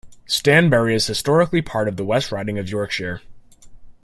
Stanbury is Historically part of the West Riding of Yorkshire.